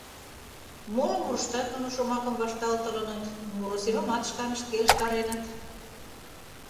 Моло мурыштат нуно шомакым вашталтылыныт, муро семымат шканышт келыштареныт.